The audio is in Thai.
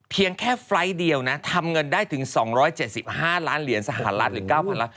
เพียงแค่ไฟล์ทเดียวนะทำเงินได้ถึง๒๗๕ล้านเหรียญสหรัฐหรือ๙๐๐ล้าน